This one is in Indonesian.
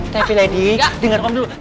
tapi lady denger om dulu